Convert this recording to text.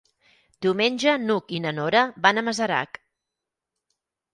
Diumenge n'Hug i na Nora van a Masarac.